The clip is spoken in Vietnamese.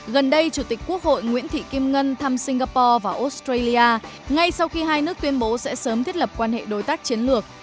gần đây chủ tịch quốc hội nguyễn thị kim ngân thăm singapore và australia ngay sau khi hai nước tuyên bố sẽ sớm thiết lập quan hệ đối tác chiến lược